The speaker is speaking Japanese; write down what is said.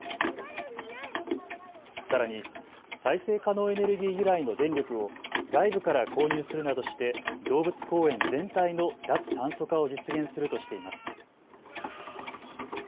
さらに再生可能エネルギー由来の電力を外部から購入するなどして動物公園全体の脱炭素化を実現するとしています。